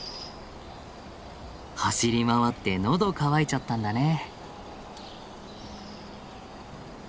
走り回って喉渇いちゃったんだね。